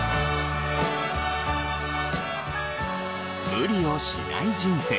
無理をしない人生。